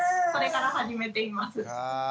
それから始めています。